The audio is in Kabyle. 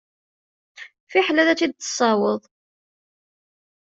Fiḥel ad tt-id-tessawweḍ.